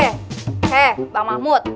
he bang mahmud